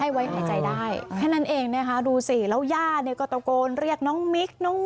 ให้ไว้ในใจได้แค่นั้นเองนะฮะดูสิแล้วยาดก็ตะโกนเรียกน้องมิ๊ก